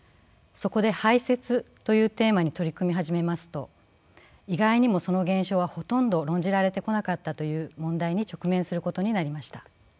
そこで「排泄」というテーマに取り組み始めますと意外にもその現象はほとんど論じられてこなかったという問題に直面することになりました。